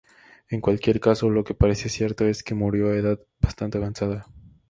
En cualquier caso, lo que parece cierto es que murió a edad bastante avanzada.